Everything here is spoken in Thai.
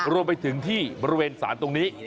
รวมไปถึงที่บริเวณศาลตรงนี้